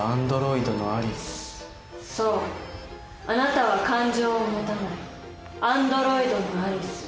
あなたは感情を持たないアンドロイドのアリス。